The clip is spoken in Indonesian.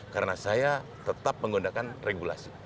karena saya tetap menggunakan regulasi